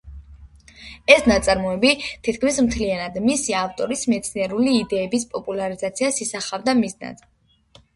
ეს ნაწარმოები თითქმის მთლიანად მისი ავტორის მეცნიერული იდეების პოპულარიზაციას ისახავდა მიზნად.